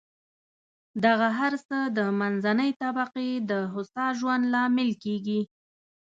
دغه هر څه د منځنۍ طبقې د هوسا ژوند لامل کېږي.